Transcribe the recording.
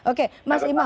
oke mas imam